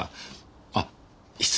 あっ失礼。